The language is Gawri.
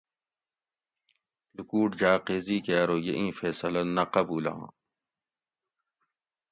لوکوٹ جاۤ قیضی کہ ارو یہ ایں فیصلہ نہ قبولاں